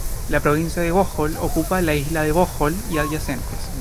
La provincia de Bohol ocupa la isla de Bohol y adyacentes.